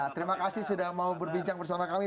terima kasih sudah mau berbincang bersama kami